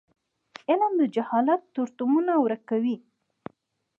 علم د جهالت تورتمونه ورکوي.